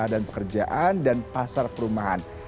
dan pekerjaan dan pasar perumahan